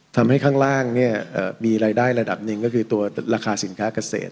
ทำให้ข้างล่างเนี้ยเอ่อมีรายได้ระดับหนึ่งก็คือตัวราคาสินค้ากเศษ